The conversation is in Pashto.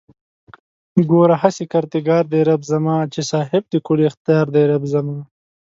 گوره هسې کردگار دئ رب زما چې صاحب د کُل اختيار دئ رب زما